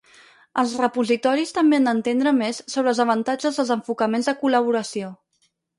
Els repositoris també han d'entendre més sobre els avantatges dels enfocaments de col·laboració.